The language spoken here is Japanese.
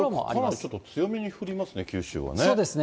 ちょっと強めに降りますね、九州はね。